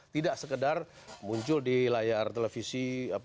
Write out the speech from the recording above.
tidak sekedar muncul di layar televisi